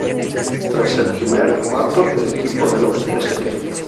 Tras el primer cuarto el equipo de los St.